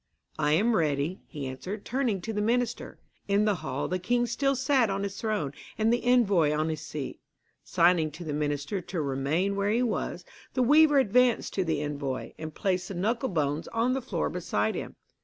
'I am ready,' he answered, turning to the minister. In the hall the king still sat on his throne, and the envoy on his seat. Signing to the minister to remain where he was, the weaver advanced to the envoy, and placed the knuckle bones on the floor beside him.